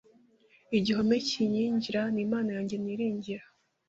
igihome kinkingira ni imana yanjye niringira